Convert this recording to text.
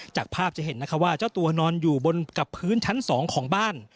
จากภาพจะเห็นนะคะว่าเจ้าตัวนอนอยู่บนกับพื้นชั้น๒ของบ้าน